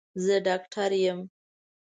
زه ډاکټر یم